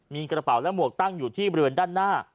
มีกระเป๋าและหมวกตั้งอยู่ที่บริเวณด้านหน้า